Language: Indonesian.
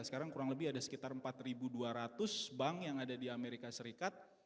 sekarang kurang lebih ada sekitar empat dua ratus bank yang ada di amerika serikat